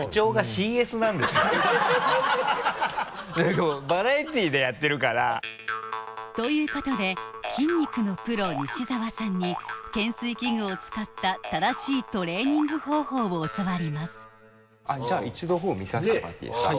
これバラエティーでやってるから。ということで筋肉のプロ西澤さんに懸垂器具を使った正しいトレーニング方法を教わりますじゃあ一度フォームを見させてもらっていいですか？